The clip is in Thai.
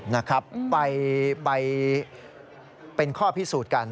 นะครับไปเป็นข้อพิสูจน์กัน